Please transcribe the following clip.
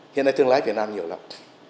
hiện nay thương lái ở việt nam nhiều lắm